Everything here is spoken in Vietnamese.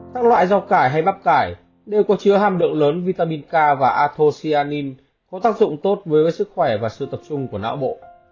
các loại rau cải hay bắp cải đều có chứa ham được lớn vitamin k và atocyanin có tác dụng tốt với sức khỏe và sự tập trung của não bộ